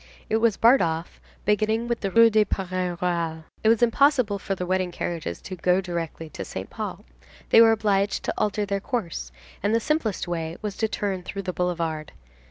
It was barred off, beginning with the Rue du Parc Royal. It was impossible for the wedding carriages to go directly to Saint Paul. They were obliged to alter their course, and the simplest way was to turn through the boulevard.